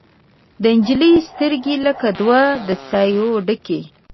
د نجلۍ سترګې لکه دوه د سايو ډک